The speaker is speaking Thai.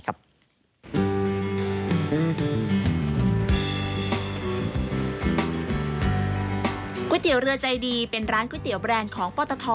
ก๋วยเตี๋ยวเรือใจดีเป็นร้านก๋วยเตี๋ยวแบรนด์ของปตท